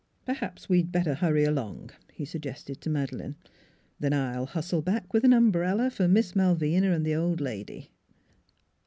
" Perhaps we'd better hurry along," he sug gested to Madeleine; "then I'll hustle back with an umbrella for Miss Malvina and the old lady."